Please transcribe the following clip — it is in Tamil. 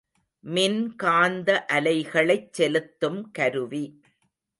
மின்காந்த அலைகளைச் செலுத்தும் கருவி.